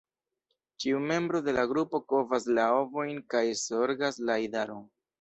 Ĉiu membro de la grupo kovas la ovojn kaj zorgas la idaron.